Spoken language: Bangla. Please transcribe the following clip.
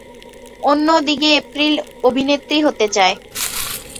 অন্যদিকে এপ্রিল অভিনেত্রী হতে চায়।